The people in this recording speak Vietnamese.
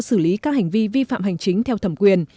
xử lý các hành vi vi phạm hành chính theo thẩm quyền